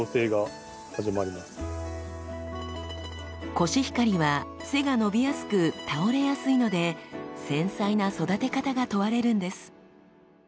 コシヒカリは背が伸びやすく倒れやすいので繊細な育て方が問われるんです。